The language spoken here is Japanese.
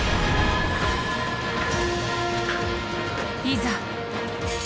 いざ！